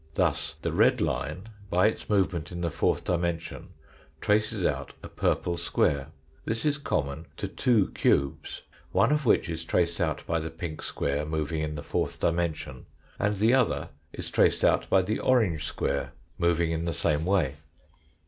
Thus, the red line by its movement in the fourth dimension, traces out a purple square this is common to two cubes, one of which is traced out by the pink square moving in the fourth dimension, and the other is traced out by the orange square moving in the same way.